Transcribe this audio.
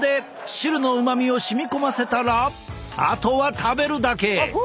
汁のうまみを染み込ませたらあとは食べるだけ！